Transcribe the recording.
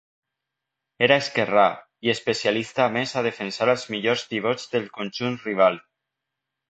Era esquerrà, i especialista a més a defensar als millors pivots del conjunt rival.